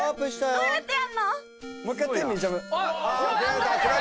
どうやってやんの⁉うわっ！